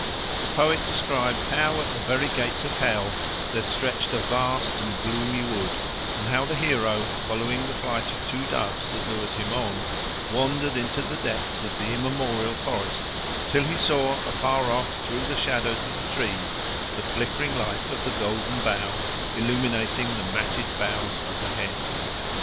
The poet describes how at the very gates of hell there stretched a vast and gloomy wood, and how the hero, following the flight of two doves that lured him on, wandered into the depths of the immemorial forest till he saw afar off through the shadows of the trees the flickering light of the Golden Bough illuminating the matted boughs overhead.